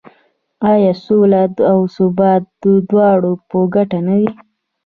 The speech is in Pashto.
آیا سوله او ثبات د دواړو په ګټه نه دی؟